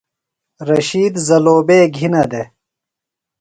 رشید زلوبے گِھینہ دےۡ۔